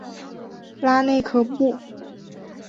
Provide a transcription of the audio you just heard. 拉内科布。